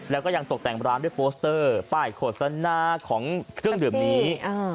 แล้วก็ยังตกแต่งร้านด้วยโปสเตอร์ป้ายโฆษณาของเครื่องดื่มนี้